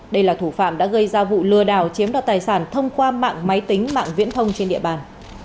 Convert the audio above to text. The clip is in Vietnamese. đây là thủ phạm đã gây ra vụ lừa đảo chiếm đoạt tài sản thông qua mạng máy tính mạng viễn thông trên địa bàn